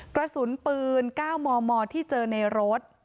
กระสุนปืน๙มมที่เจอในรถ